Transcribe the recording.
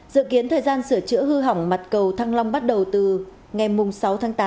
dự kiến thời gian sửa chữa hư hỏng mặt cầu thăng long bắt đầu từ ngày sáu tháng tám